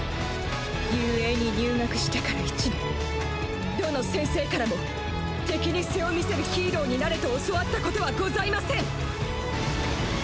雄英に入学してから１年どの先生からも敵に背を見せるヒーローになれと教わったことはございません。